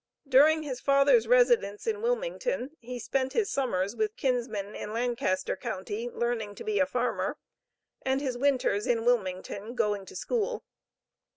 During his father's residence in Wilmington, he spent his summers with kinsmen in Lancaster county, learning to be a farmer, and his winters in Wilmington going to school.